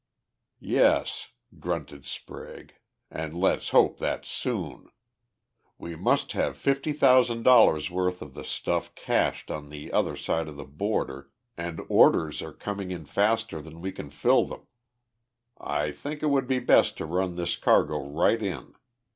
"Yes," grunted Sprague, "and let's hope that that's soon. We must have fifty thousand dollars' worth of the stuff cached on the other side of the border and orders are coming in faster than we can fill them. I think it would be best to run this cargo right in.